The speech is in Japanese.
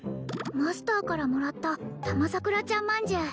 マスターからもらったたまさくらちゃんまんじゅう